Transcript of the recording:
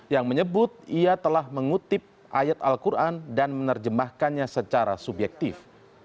yang menyebut ia telah mengutip ayat al quran dan menerjemahkannya secara subjektif